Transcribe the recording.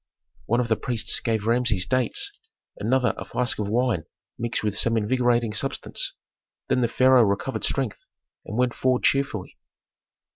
One of the priests gave Rameses dates, another a flask of wine mixed with some invigorating substance. Then the pharaoh recovered strength and went forward cheerfully.